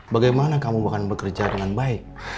bagaimana kamu akan bekerja dengan baik